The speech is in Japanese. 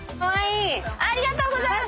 ありがとうございます！